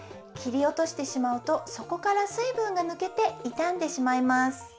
きりおとしてしまうとそこからすいぶんがぬけていたんでしまいます。